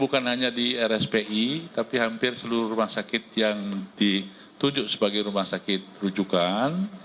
bukan hanya di rspi tapi hampir seluruh rumah sakit yang ditujuk sebagai rumah sakit rujukan